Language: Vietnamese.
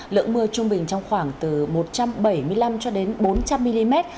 lượng mưa trung bình trong khoảng từ một trăm bảy mươi năm cho đến bốn trăm linh mm